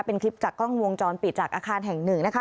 เป็นคลิปจากกล้องวงจรปิดจากอาคารแห่งหนึ่งนะคะ